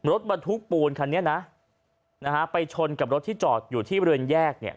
รถบรรทุกปูนคันนี้นะนะฮะไปชนกับรถที่จอดอยู่ที่บริเวณแยกเนี่ย